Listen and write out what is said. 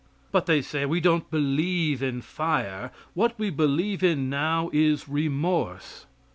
But they say, "We don't believe in fire. What we believe in now is remorse."